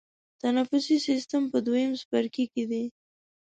تنفسي سیستم په دویم څپرکي کې دی.